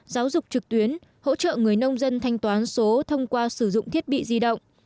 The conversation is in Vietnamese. giáo dục trực tuyến hỗ trợ người nông dân thanh toán số thông qua sử dụng thiết bị di động